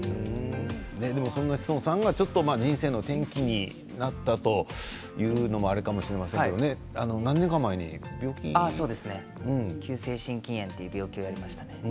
そんな志尊さんがちょっと人生の転機になったというのはあれかもしれませんけれども急性心筋炎という病気をやりましたね。